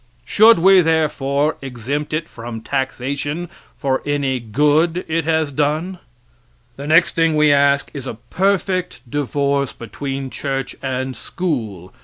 Should we, therefore, exempt it from taxation for any good it has done? The next thing we ask is a perfect divorce between church and school.